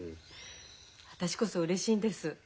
私こそうれしいんです。